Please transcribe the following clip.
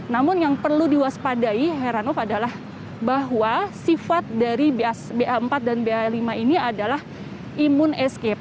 namun yang perlu diwaspadai heranov adalah bahwa sifat dari ba empat dan ba lima ini adalah imun escape